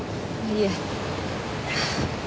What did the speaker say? いえ。